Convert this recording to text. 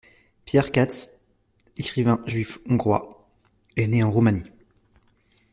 Pierre Katz, écrivain juif hongrois, est né en Roumanie.